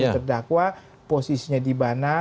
terdakwa posisinya di mana